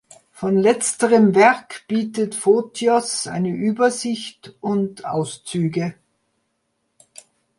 Von letzterem Werk bietet Photios eine Übersicht und Auszüge.